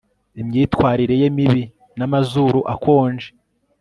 imyitwarire ye mibi namazuru akonje